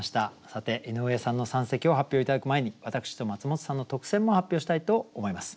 さて井上さんの三席を発表頂く前に私とマツモトさんの特選も発表したいと思います。